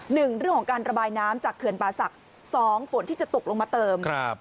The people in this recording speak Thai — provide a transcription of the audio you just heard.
หนึ่งเรื่องของการระบายน้ำจากเขื่อนป่าศักดิ์สองฝนที่จะตกลงมาเติมครับ